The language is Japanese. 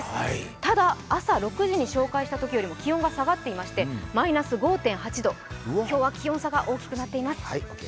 ただ朝６時に紹介したときよりも気温が下がってしましてマイナス５．８度、今日は気温差が大きくなっています。